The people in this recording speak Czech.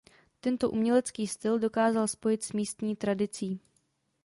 Tento umělecký styl dokázal spojit s místní tradicí.